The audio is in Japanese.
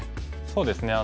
そうですね。